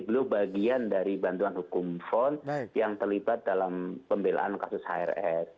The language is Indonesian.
beliau bagian dari bantuan hukum von yang terlibat dalam pembelaan kasus hrs